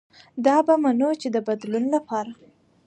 دا به منو چې د بدلون له پاره